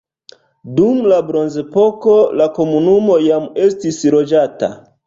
Dum la bronzepoko la komunumo jam estis loĝata.